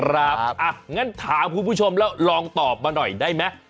อย่างนั้นถามคุณผู้ชมแล้วลองตอบมาหน่อยได้ไหม